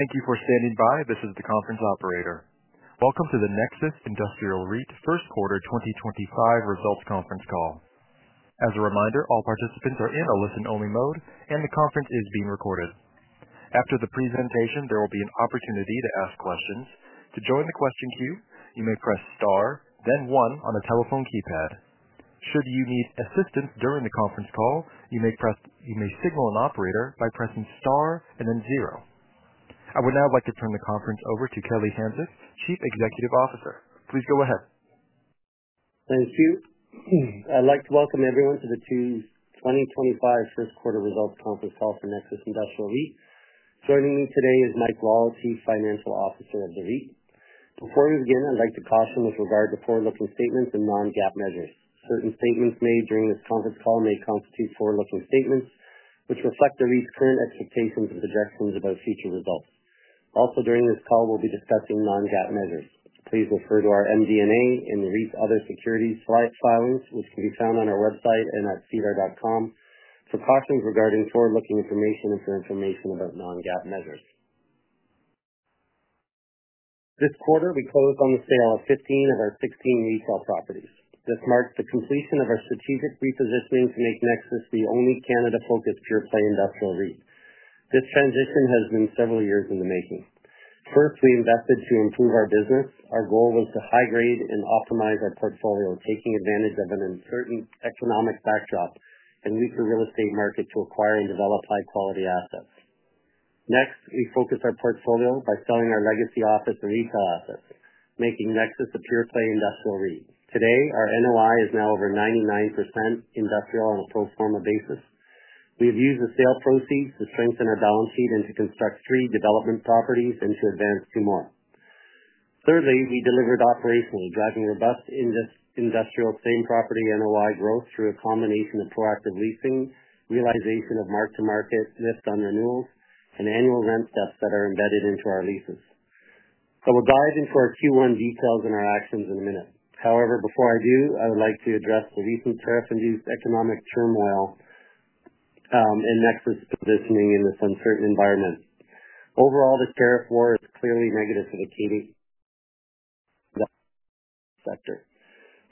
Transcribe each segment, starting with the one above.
Thank you for standing by. This is the conference operator. Welcome to the Nexus Industrial REIT first quarter 2025 results conference call. As a reminder, all participants are in a listen-only mode, and the conference is being recorded. After the presentation, there will be an opportunity to ask questions. To join the question queue, you may press star, then one on a telephone keypad. Should you need assistance during the conference call, you may signal an operator by pressing star and then zero. I would now like to turn the conference over to Kelly Hanczyk, Chief Executive Officer. Please go ahead. Thank you. I'd like to welcome everyone to the 2025 First Quarter Results Conference Call for Nexus Industrial REIT. Joining me today is Mike Rawle, Chief Financial Officer of the REIT. Before we begin, I'd like to caution with regard to forward-looking statements and non-GAAP measures. Certain statements made during this conference call may constitute forward-looking statements which reflect the REIT's current expectations and projections about future results. Also, during this call, we'll be discussing non-GAAP measures. Please refer to our MD&A and the REIT's other securities filings, which can be found on our website and at sedar.com, for cautions regarding forward-looking information and for information about non-GAAP measures. This quarter, we closed on the sale of 15 of our 16 retail properties. This marks the completion of our strategic repositioning to make Nexus the only Canada-focused pure-play industrial REIT. This transition has been several years in the making. First, we invested to improve our business. Our goal was to high-grade and optimize our portfolio, taking advantage of an uncertain economic backdrop and weaker real estate market to acquire and develop high-quality assets. Next, we focused our portfolio by selling our legacy office and retail assets, making Nexus a pure-play industrial REIT. Today, our NOI is now over 99% industrial on a pro forma basis. We have used the sale proceeds to strengthen our balance sheet and to construct three development properties and to advance two more. Thirdly, we delivered operationally, driving robust industrial same-property NOI growth through a combination of proactive leasing, realization of mark-to-market, lift-on renewals, and annual rent steps that are embedded into our leases. We'll dive into our Q1 details and our actions in a minute. However, before I do, I would like to address the recent tariff-induced economic turmoil in Nexus' positioning in this uncertain environment. Overall, the tariff war is clearly negative for the sector.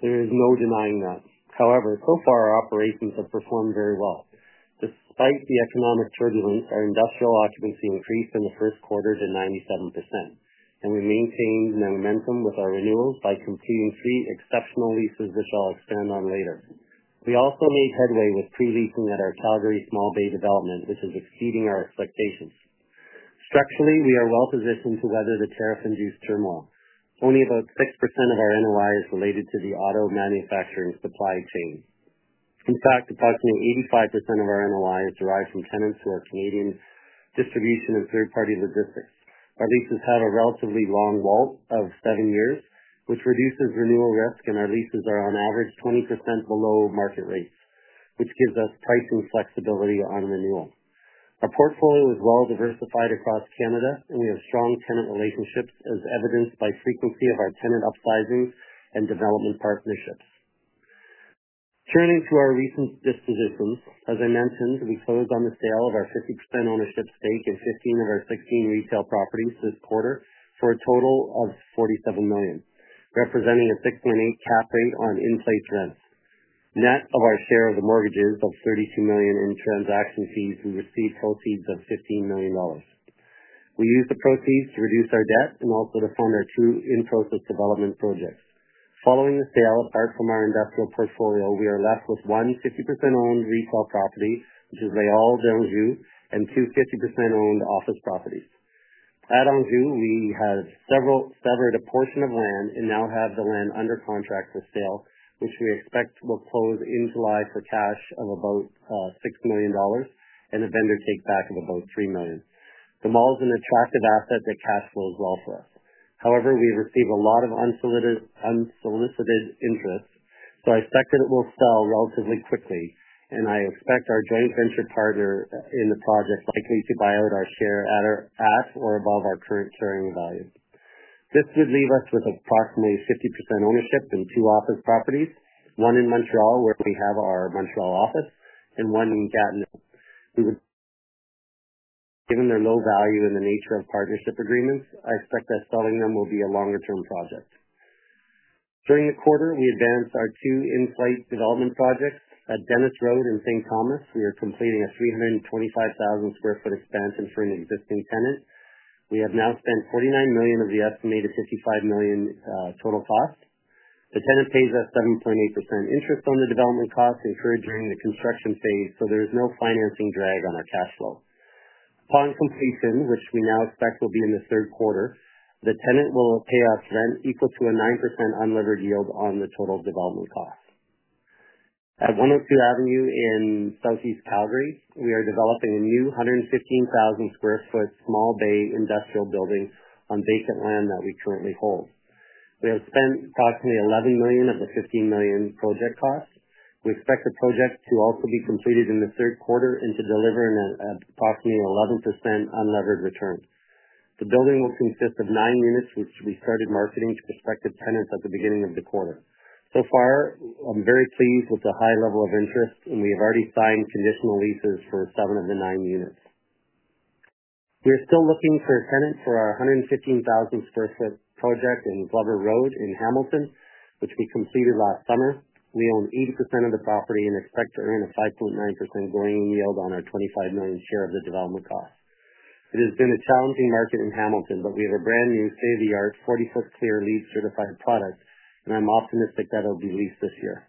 There is no denying that. However, so far, our operations have performed very well. Despite the economic turbulence, our industrial occupancy increased in the first quarter to 97%, and we maintained momentum with our renewals by completing three exceptional leases which I'll expand on later. We also made headway with pre-leasing at our Calgary Small Bay development, which is exceeding our expectations. Structurally, we are well-positioned to weather the tariff-induced turmoil. Only about 6% of our NOI is related to the auto manufacturing supply chain. In fact, approximately 85% of our NOI is derived from tenants who are Canadian distribution and third-party logistics. Our leases have a relatively long WALT of seven years, which reduces renewal risk, and our leases are on average 20% below market rates, which gives us pricing flexibility on renewal. Our portfolio is well-diversified across Canada, and we have strong tenant relationships, as evidenced by frequency of our tenant upsizings and development partnerships. Turning to our recent dispositions, as I mentioned, we closed on the sale of our 50% ownership stake in 15 of our 16 retail properties this quarter for a total of 47 million, representing a 6.8% cap rate on in-place rents. Net of our share of the mortgages of 32 million in transaction fees, we received proceeds of 15 million dollars. We used the proceeds to reduce our debt and also to fund our two in-process development projects. Following the sale, apart from our industrial portfolio, we are left with one 50% owned retail property, which is Les Halles d’Anjou, and two 50% owned office properties. At d’Anjou, we have severed a portion of land and now have the land under contract for sale, which we expect will close in July for CAD 6 million and a vendor take-back of 3 million. The mall is an attractive asset that cash flows well for us. However, we receive a lot of unsolicited interest, so I expect that it will sell relatively quickly, and I expect our joint venture partner in the project likely to buy out our share at or above our current sharing value. This would leave us with approximately 50% ownership in two office properties, one in Montreal where we have our Montreal office and one in Gatineau. Given their low value and the nature of partnership agreements, I expect that selling them will be a longer-term project. During the quarter, we advanced our two in-flight development projects at Dennis Road and St. Thomas. We are completing a 325,000 sq ft expansion for an existing tenant. We have now spent 49 million of the estimated 55 million total cost. The tenant pays us 7.8% interest on the development cost, encouraging the construction phase, so there is no financing drag on our cash flow. Upon completion, which we now expect will be in the third quarter, the tenant will pay us rent equal to a 9% unlevered yield on the total development cost. At 102 Avenue in Southeast Calgary, we are developing a new 115,000 sq ft Small Bay industrial building on vacant land that we currently hold. We have spent approximately 11 million of the 15 million project cost. We expect the project to also be completed in the third quarter and to deliver an approximately 11% unlevered return. The building will consist of nine units, which we started marketing to prospective tenants at the beginning of the quarter. So far, I'm very pleased with the high level of interest, and we have already signed conditional leases for seven of the nine units. We are still looking for a tenant for our 115,000 sq ft project in Glover Road in Hamilton, which we completed last summer. We own 80% of the property and expect to earn a 5.9% going-in yield on our 25 million share of the development cost. It has been a challenging market in Hamilton, but we have a brand new state-of-the-art 40-foot clear LEED certified product, and I'm optimistic that it'll be leased this year.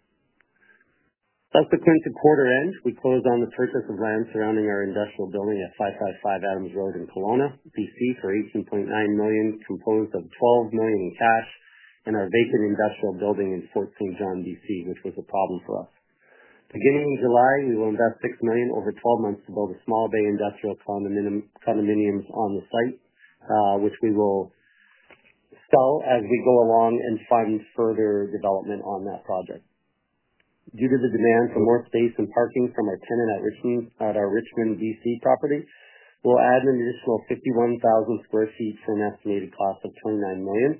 Subsequent to quarter end, we closed on the purchase of land surrounding our industrial building at 555 Adams Road in Kelowna, BC, for 18.9 million, composed of 12 million in cash, and our vacant industrial building in Fort St. John, BC, which was a problem for us. Beginning in July, we will invest 6 million over 12 months to build Small Bay industrial condominiums on the site, which we will sell as we go along and fund further development on that project. Due to the demand for more space and parking from our tenant at Richmond, BC, property, we'll add an additional 51,000 sq ft for an estimated cost of 29 million.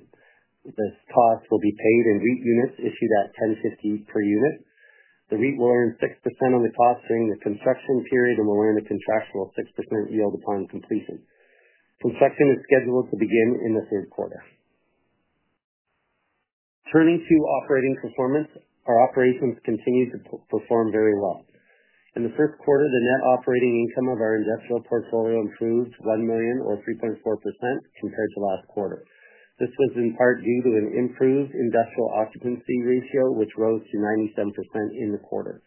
This cost will be paid in REIT units issued at $10.50 per unit. The REIT will earn 6% on the cost during the construction period and will earn a contractual 6% yield upon completion. Construction is scheduled to begin in the third quarter. Turning to operating performance, our operations continue to perform very well. In the first quarter, the net operating income of our industrial portfolio improved $1 million, or 3.4%, compared to last quarter. This was in part due to an improved industrial occupancy ratio, which rose to 97% in the quarter.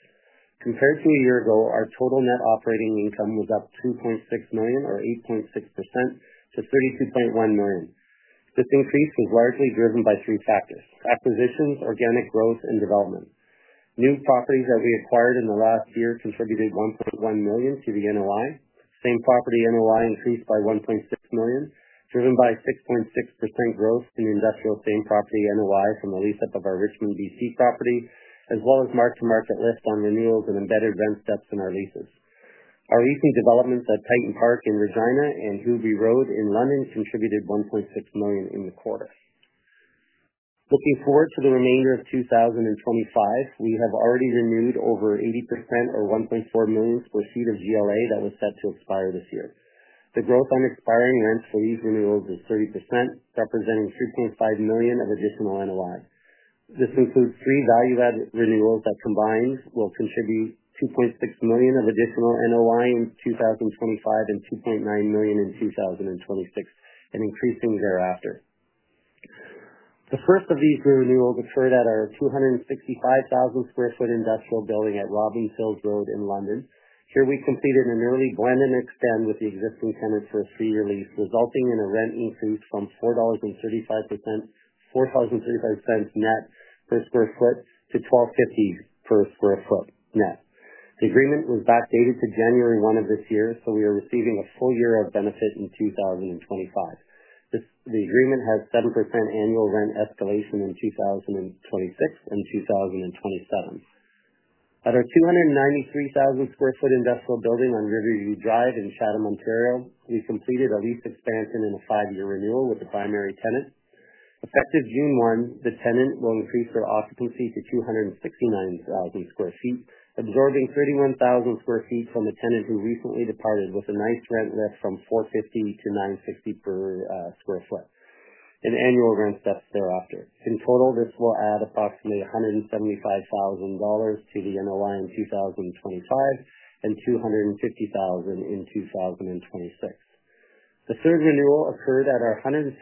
Compared to a year ago, our total net operating income was up $2.6 million, or 8.6%, to $32.1 million. This increase was largely driven by three factors: acquisitions, organic growth, and development. New properties that we acquired in the last year contributed $1.1 million to the NOI. Same property NOI increased by 1.6 million, driven by 6.6% growth in industrial same property NOI from the lease up of our Richmond, BC property, as well as mark-to-market lift on renewals and embedded rent steps in our leases. Our recent developments at Titan Park in Regina and Huby Road in London contributed 1.6 million in the quarter. Looking forward to the remainder of 2025, we have already renewed over 80%, or 1.4 million sq ft, of GLA that was set to expire this year. The growth on expiring rents for these renewals is 30%, representing 3.5 million of additional NOI. This includes three value-added renewals that combined will contribute 2.6 million of additional NOI in 2025 and 2.9 million in 2026, and increasing thereafter. The first of these renewals occurred at our 265,000 sq ft industrial building at Robins Hills Road in London. Here, we completed an early blend-and-expand with the existing tenant for a free release, resulting in a rent increase from CAD 4.35 net per sq ft to 12.50 per sq ft net. The agreement was backdated to January 1 of this year, so we are receiving a full year of benefit in 2025. The agreement has 7% annual rent escalation in 2026 and 2027. At our 293,000 sq ft industrial building on Riverview Drive in Chatham, Ontario, we completed a lease expansion and a five-year renewal with the primary tenant. Effective June 1, the tenant will increase their occupancy to 269,000 sq ft, absorbing 31,000 sq ft from a tenant who recently departed with a nice rent lift from 4.50 to 9.60 per sq ft and annual rent steps thereafter. In total, this will add approximately 175,000 dollars to the NOI in 2025 and 250,000 in 2026. The third renewal occurred at our 165,000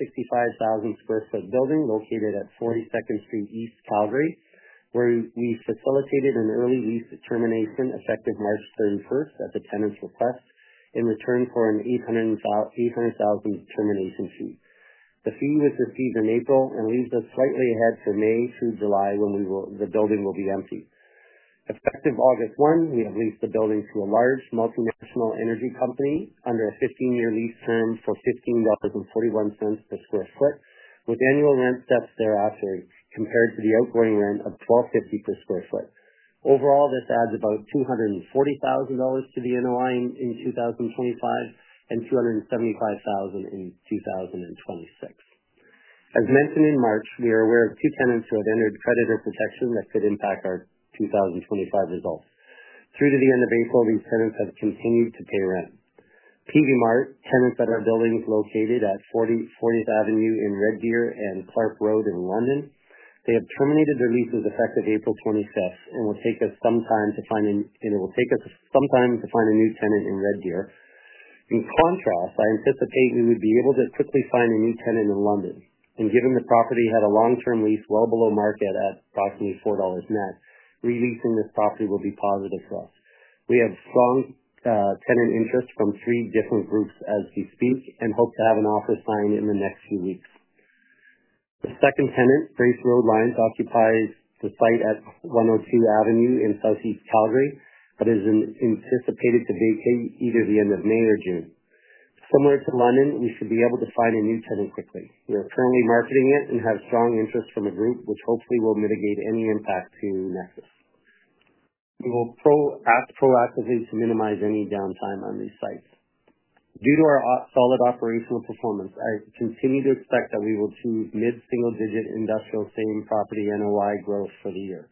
sq ft building located at 42nd Street East Calgary, where we facilitated an early lease termination effective March 31 at the tenant's request in return for a 800,000 termination fee. The fee was received in April and leaves us slightly ahead for May through July when the building will be empty. Effective August 1, we have leased the building to a large multinational energy company under a 15-year lease term for 15.41 dollars per sq ft, with annual rent steps thereafter compared to the outgoing rent of 12.50 per sq ft. Overall, this adds about 240,000 dollars to the NOI in 2025 and 275,000 in 2026. As mentioned in March, we are aware of two tenants who have entered creditor protection that could impact our 2025 results. Through to the end of April, these tenants have continued to pay rent. Peavey Mart, tenants at our building located at 40th Avenue in Red Deer and Clark Road in London, they have terminated their leases effective April 25 and will take us some time to find a new tenant in Red Deer. In contrast, I anticipate we would be able to quickly find a new tenant in London. Given the property had a long-term lease well below market at approximately 4 dollars net, releasing this property will be positive for us. We have strong tenant interest from three different groups as we speak and hope to have an offer signed in the next few weeks. The second tenant, Grace Road Lines, occupies the site at 102 Avenue in Southeast Calgary, but is anticipated to vacate either the end of May or June. Similar to London, we should be able to find a new tenant quickly. We are currently marketing it and have strong interest from a group which hopefully will mitigate any impact to Nexus. We will act proactively to minimize any downtime on these sites. Due to our solid operational performance, I continue to expect that we will achieve mid-single-digit industrial same property NOI growth for the year.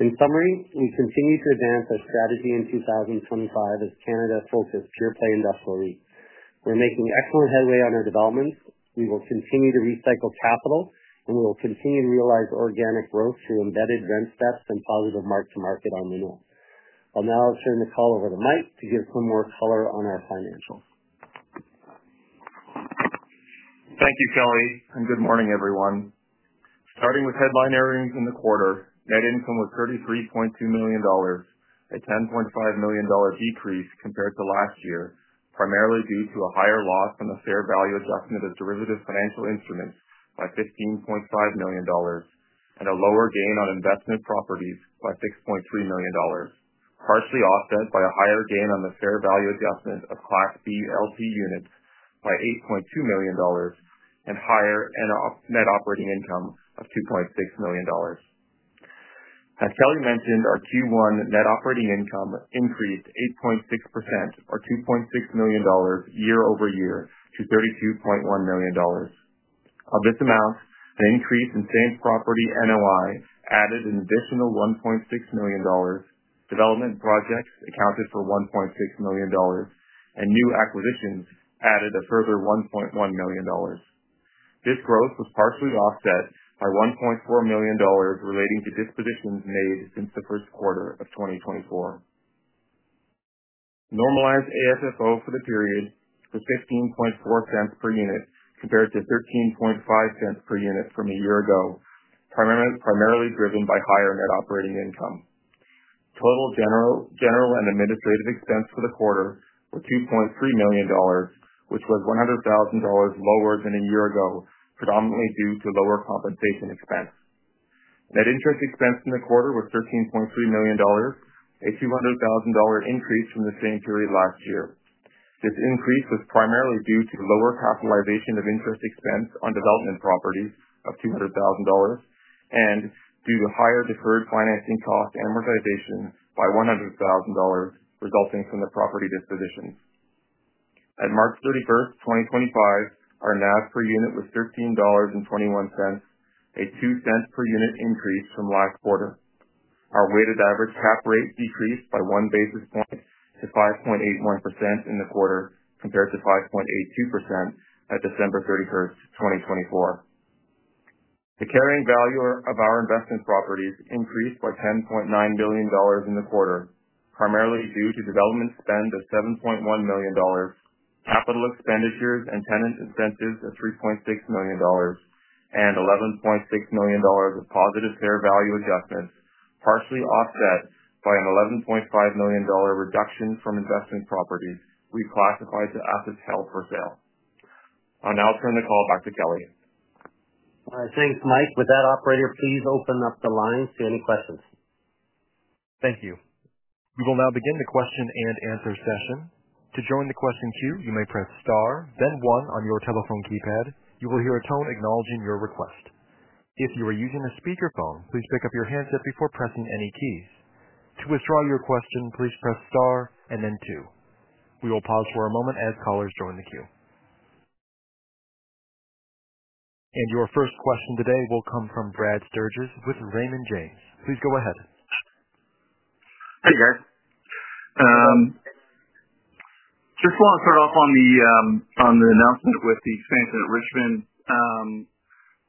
In summary, we continue to advance our strategy in 2025 as Canada-focused pure-play industrial REIT. We're making excellent headway on our developments. We will continue to recycle capital, and we will continue to realize organic growth through embedded rent steps and positive mark-to-market on renewal. I'll now turn the call over to Mike to give some more color on our financials. Thank you, Kelly, and good morning, everyone. Starting with headline earnings in the quarter, net income was 33.2 million dollars, a 10.5 million dollar decrease compared to last year, primarily due to a higher loss on the fair value adjustment of derivative financial instruments by 15.5 million dollars and a lower gain on investment properties by 6.3 million dollars, partially offset by a higher gain on the fair value adjustment of Class B LT units by 8.2 million dollars and higher net operating income of 2.6 million dollars. As Kelly mentioned, our Q1 net operating income increased 8.6%, or 2.6 million dollars year-over-year, to 32.1 million dollars. Of this amount, an increase in same property NOI added an additional 1.6 million dollars, development projects accounted for 1.6 million dollars, and new acquisitions added a further 1.1 million dollars. This growth was partially offset by 1.4 million dollars relating to dispositions made since the first quarter of 2024. Normalized AFFO for the period was $15.40 per unit compared to $13.50 per unit from a year ago, primarily driven by higher net operating income. Total general and administrative expense for the quarter was 2.3 million dollars, which was 100,000 dollars lower than a year ago, predominantly due to lower compensation expense. Net interest expense in the quarter was 13.3 million dollars, a 200,000 dollar increase from the same period last year. This increase was primarily due to lower capitalization of interest expense on development properties of 200,000 dollars and due to higher deferred financing cost amortization by 100,000 dollars resulting from the property dispositions. At March 31st, 2025, our NAV per unit was $13.21, a $0.02 per unit increase from last quarter. Our weighted average cap rate decreased by one basis point to 5.81% in the quarter compared to 5.82% at December 31st, 2024. The carrying value of our investment properties increased by 10.9 million dollars in the quarter, primarily due to development spend of 7.1 million dollars, capital expenditures and tenant incentives of 3.6 million dollars, and 11.6 million dollars of positive fair value adjustments, partially offset by a 11.5 million dollar reduction from investment properties we classified to asset held for sale. I'll now turn the call back to Kelly. Thanks, Mike. With that, operator, please open up the line to any questions. Thank you. We will now begin the question and answer session. To join the question queue, you may press star, then one on your telephone keypad. You will hear a tone acknowledging your request. If you are using a speakerphone, please pick up your handset before pressing any keys. To withdraw your question, please press star and then two. We will pause for a moment as callers join the queue. Your first question today will come from Brad Sturges with Raymond James. Please go ahead. Hey, guys. Just want to start off on the announcement with the expansion at Richmond.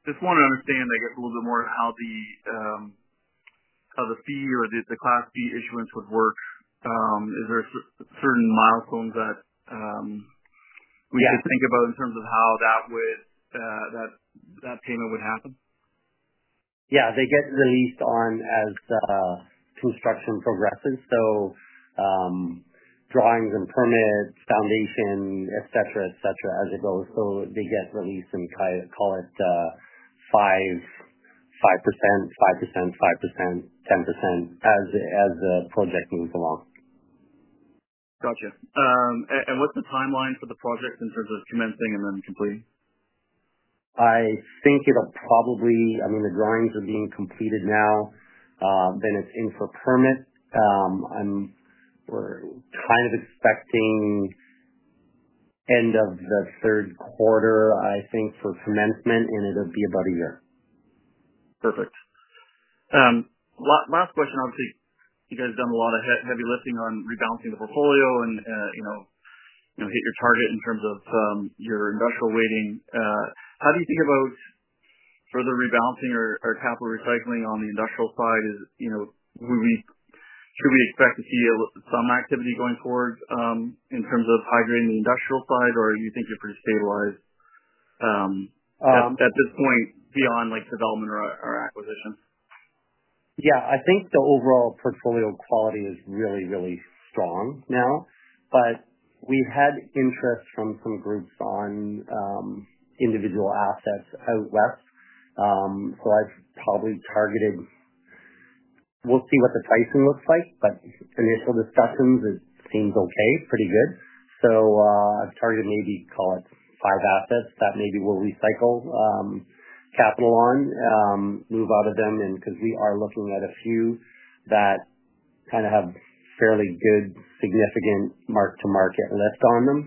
Just want to understand, I guess, a little bit more how the fee or the class fee issuance would work. Is there a certain milestone that we should think about in terms of how that payment would happen? Yeah. They get released as construction progresses, so drawings and permits, foundation, etc., etc., as it goes. They get released and call it 5%, 5%, 5%, 10% as the project moves along. Gotcha. What's the timeline for the project in terms of commencing and then completing? I think it'll probably—I mean, the drawings are being completed now, then it's in for permit. We're kind of expecting end of the third quarter, I think, for commencement, and it'll be about a year. Perfect. Last question. Obviously, you guys have done a lot of heavy lifting on rebalancing the portfolio and hit your target in terms of your industrial weighting. How do you think about further rebalancing or capital recycling on the industrial side? Should we expect to see some activity going forward in terms of hydrating the industrial side, or do you think you're pretty stabilized at this point beyond development or acquisition? Yeah. I think the overall portfolio quality is really, really strong now, but we had interest from some groups on individual assets out west. I have probably targeted—we will see what the pricing looks like, but initial discussions, it seems okay, pretty good. I have targeted maybe, call it, five assets that maybe we will recycle capital on, move out of them, and because we are looking at a few that kind of have fairly good significant mark-to-market lift on them.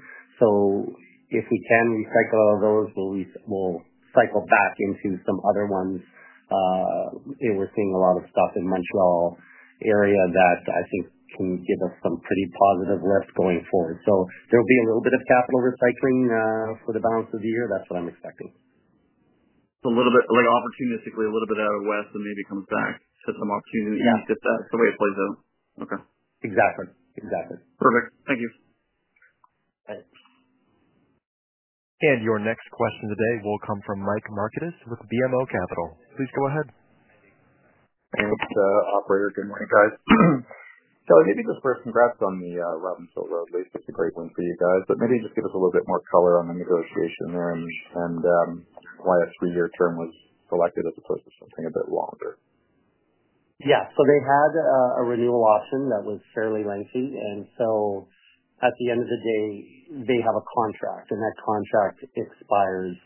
If we can recycle all those, we will cycle back into some other ones. We are seeing a lot of stuff in the Montreal area that I think can give us some pretty positive lift going forward. There will be a little bit of capital recycling for the balance of the year. That is what I am expecting. A little bit opportunistically, a little bit out of west and maybe comes back to some opportunity. That's the way it plays out. Okay. Exactly. Exactly. Perfect. Thank you. Thanks. Your next question today will come from Mike Markidis with BMO Capital. Please go ahead. Thanks, operator. Good morning, guys. Kelly, maybe just first, congrats on the Robins Hill Road lease. It's a great win for you guys. Maybe just give us a little bit more color on the negotiation there and why a three-year term was selected as opposed to something a bit longer. Yeah. They had a renewal option that was fairly lengthy. At the end of the day, they have a contract, and that contract expires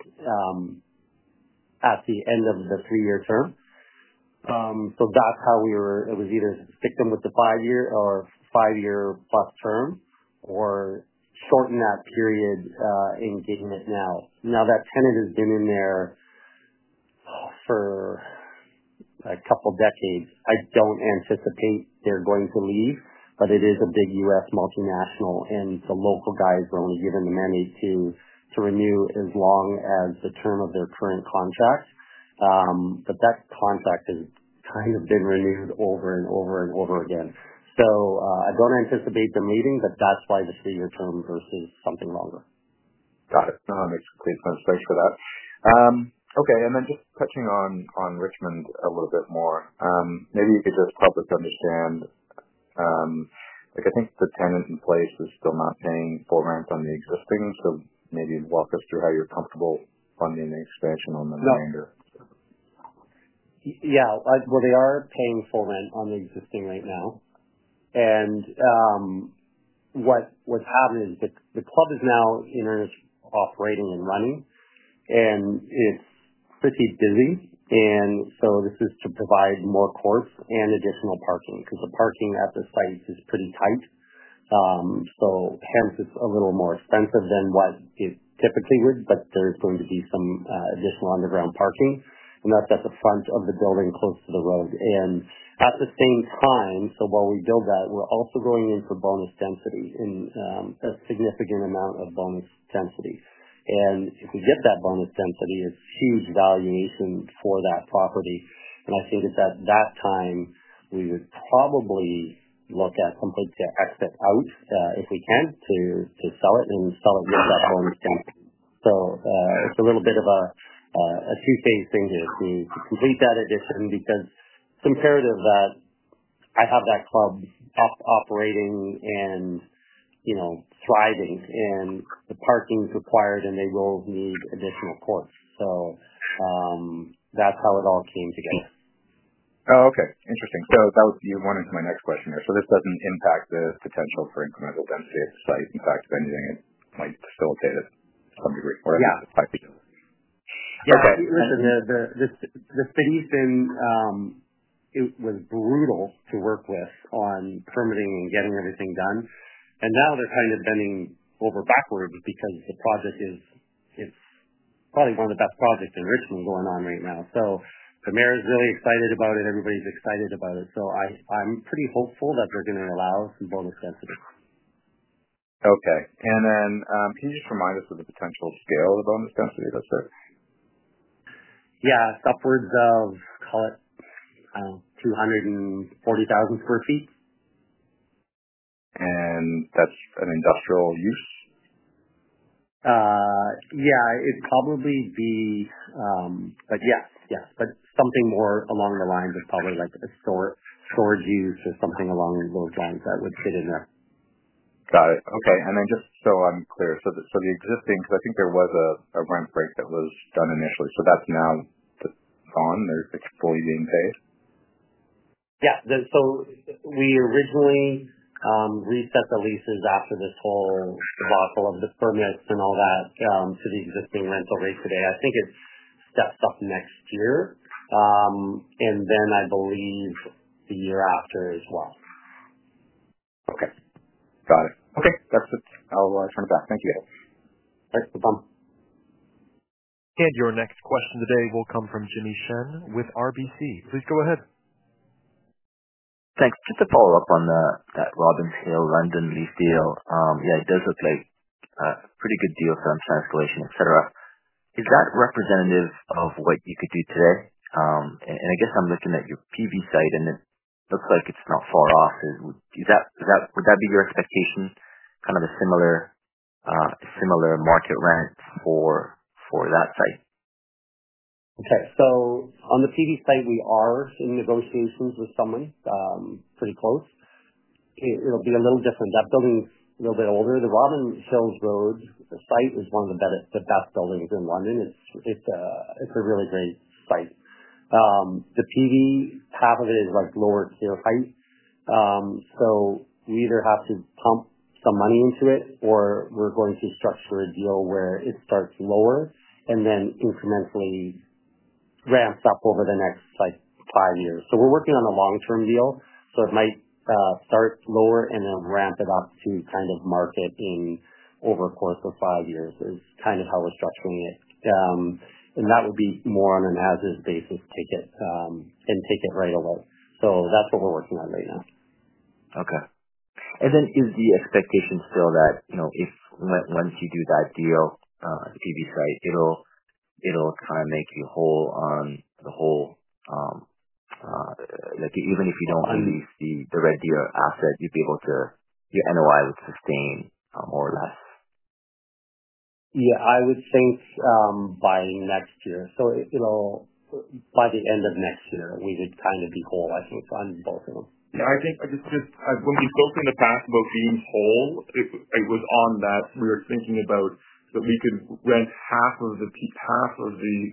at the end of the three-year term. That is how we were—it was either stick them with the five-year or five-year plus term or shorten that period and gain it now. That tenant has been in there for a couple of decades. I do not anticipate they are going to leave, but it is a big U.S. multinational, and the local guys were only given the mandate to renew as long as the term of their current contract. That contract has kind of been renewed over and over and over again. I do not anticipate them leaving, but that is why the three-year term versus something longer. Got it. That makes complete sense. Thanks for that. Okay. Just touching on Richmond a little bit more, maybe you could just help us understand. I think the tenant in place is still not paying full rent on the existing, so maybe walk us through how you're comfortable funding the expansion on the remainder. Yeah. They are paying full rent on the existing right now. What's happened is the club is now in earnest operating and running, and it's pretty busy. This is to provide more courts and additional parking because the parking at the site is pretty tight. Hence, it's a little more expensive than what it typically would be, but there's going to be some additional underground parking. That's at the front of the building close to the road. At the same time, while we build that, we're also going in for bonus density and a significant amount of bonus density. If we get that bonus density, it's huge valuation for that property. I think at that time, we would probably look at completely exiting out if we can to sell it and sell it with that bonus density. It's a little bit of a two-phase thing here to complete that addition because comparative that I have that club operating and thriving, and the parking's required, and they will need additional courts. That's how it all came together. Oh, okay. Interesting. That would be one into my next question here. This doesn't impact the potential for incremental density at the site. In fact, if anything, it might facilitate it to some degree or at least a tiny bit. Yeah. Listen, the city's been—it was brutal to work with on permitting and getting everything done. Now they're kind of bending over backwards because the project is—it's probably one of the best projects in Richmond going on right now. The mayor is really excited about it. Everybody's excited about it. I'm pretty hopeful that they're going to allow some bonus density. Okay. Can you just remind us of the potential scale of the bonus density listed? Yeah. It's upwards of, call it, 240,000 sq ft. That's an industrial use? Yeah. It'd probably be—yes, yes. But something more along the lines of probably like a storage use or something along those lines that would fit in there. Got it. Okay. And then just so I'm clear, the existing—because I think there was a rent break that was done initially. That's now gone. They're fully being paid? Yeah. We originally reset the leases after this whole debacle of the permits and all that to the existing rental rate today. I think it steps up next year, and then I believe the year after as well. Okay. Got it. Okay. That's it. I'll turn it back. Thank you. All right. No problem. Your next question today will come from Jimmy Shan with RBC. Please go ahead. Thanks. Just to follow up on that Robins Hill rent and lease deal, yeah, it does look like a pretty good deal for some translation, etc. Is that representative of what you could do today? I guess I'm looking at your Peavey site, and it looks like it's not far off. Would that be your expectation, kind of a similar market rent for that site? Okay. On the Peavey site, we are in negotiations with someone pretty close. It'll be a little different. That building's a little bit older. The Robins Hills Road site is one of the best buildings in London. It's a really great site. The Peavey, half of it is lower tier height. We either have to pump some money into it or we're going to structure a deal where it starts lower and then incrementally ramps up over the next five years. We're working on a long-term deal. It might start lower and then ramp it up to kind of market in over a course of five years, which is kind of how we're structuring it. That would be more on an as-is basis, take it and take it right away. That's what we're working on right now. Okay. Is the expectation still that if once you do that deal, the Peavey site, it'll kind of make you whole on the whole? Even if you don't unlease the Red Deer asset, you'd be able to—your NOI would sustain more or less? Yeah. I would think by next year. By the end of next year, we would kind of be whole, I think, on both of them. Yeah. I think just when we spoke in the past about being whole, it was on that. We were thinking about that we could rent half of the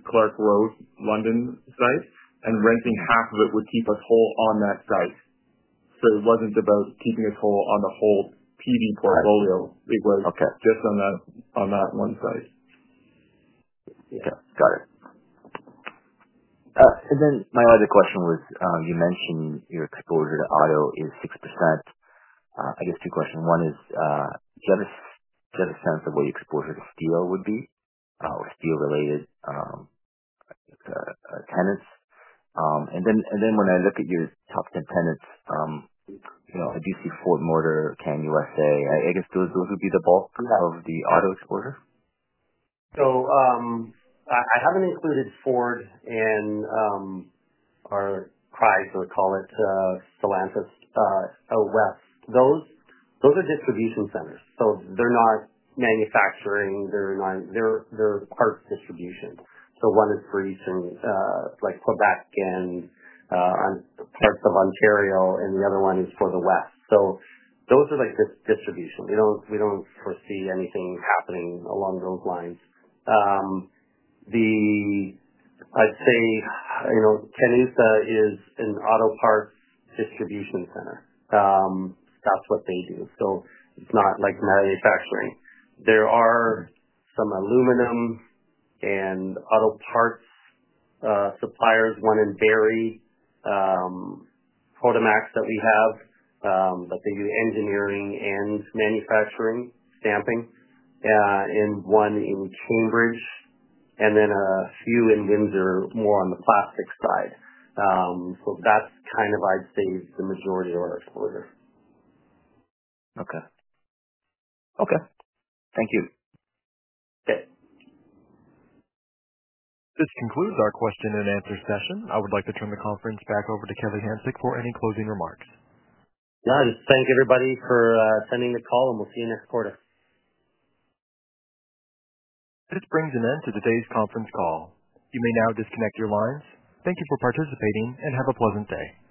Clark Road, London site, and renting half of it would keep us whole on that site. It was not about keeping us whole on the whole PV portfolio. It was just on that one site. Okay. Got it. Then my other question was you mentioned your exposure to auto is 6%. I guess two questions. One is, do you have a sense of what your exposure to steel would be or steel-related tenants? When I look at your top 10 tenants, I do see Ford Motor, KEN USA. I guess those would be the bulk of the auto exposure? I haven't included Ford and our KEN USA or call it Stellantis West. Those are distribution centers. They're not manufacturing. They're parts distribution. One is for Eastern Quebec and parts of Ontario, and the other one is for the West. Those are distribution. We don't foresee anything happening along those lines. I'd say KEN USA is an auto parts distribution center. That's what they do. It's not manufacturing. There are some aluminum and auto parts suppliers, one in Barry, Automax that we have, but they do engineering and manufacturing stamping, and one in Cambridge, and then a few in Windsor more on the plastic side. That's kind of, I'd say, the majority of our exposure. Okay. Okay. Thank you. Okay. This concludes our question and answer session. I would like to turn the conference back over to Kelly Hanczyk for any closing remarks. Yeah. Just thank everybody for attending the call, and we'll see you next quarter. This brings an end to today's conference call. You may now disconnect your lines. Thank you for participating and have a pleasant day.